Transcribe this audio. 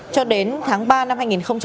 cho đến tháng ba năm hai nghìn hai mươi